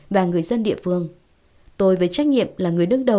và người dân địa phương